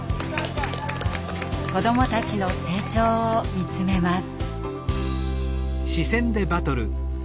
子どもたちの成長を見つめます。